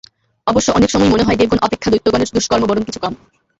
অবশ্য অনেক সময়ই মনে হয়, দেবগণ অপেক্ষা দৈত্যগণের দুষ্কর্ম বরং কিছু কম।